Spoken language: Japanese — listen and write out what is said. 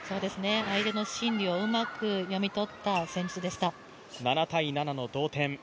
相手の心理をうまく読み取った戦術でした。